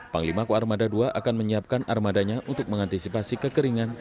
panglima kearmada dua akan menyiapkan armadanya untuk mengantisipasi kekeringan